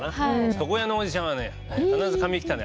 床屋のおじちゃんはね必ず髪切ったらね